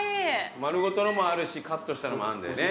丸ごとのもあるしカットしたのもあんだよね。